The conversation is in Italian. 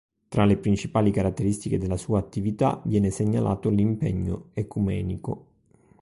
Tra le principali caratteristiche della sua attività viene segnalato l'impegno ecumenico.